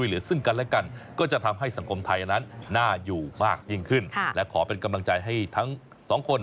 และขอเป็นกำลังใจให้ทั้งสองคน